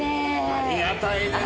ありがたいですね！